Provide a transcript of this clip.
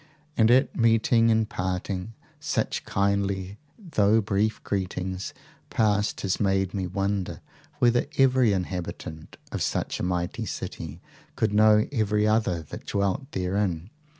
And at meeting and parting such kindly though brief greetings passed as made me wonder whether every inhabitant of such a mighty city could know every other that dwelt therein.